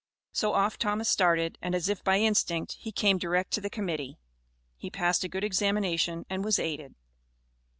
So off Thomas started, and as if by instinct, he came direct to the Committee. He passed a good examination and was aided.